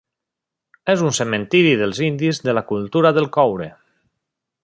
És un cementiri dels indis de la Cultura del Coure.